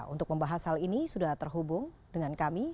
untuk membahas hal ini sudah terhubung dengan kami